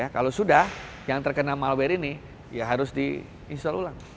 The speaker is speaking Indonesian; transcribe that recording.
kalau sudah yang terkena malware ini ya harus diinstall ulang